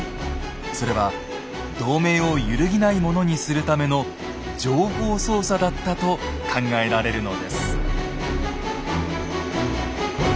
それは同盟を揺るぎないものにするための情報操作だったと考えられるのです。